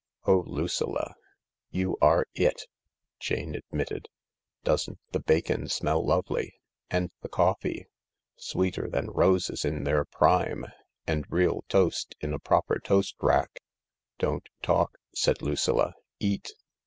" Oh, Lucilla, you are It I " Jane admitted. " Doesn't the bacon smell lovely ? And the coffee ? Sweeter than roses in their prime. .., And real toast in a proper toast rack !..." "Don't talk," said Lucilla; "eat."